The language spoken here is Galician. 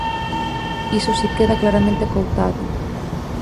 Iso si queda claramente acoutado.